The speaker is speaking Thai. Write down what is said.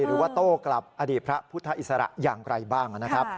หรือต้อกลับอดีตพระพุทธศาสตร์อย่างไรบ้าง